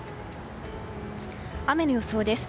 雨の予想です。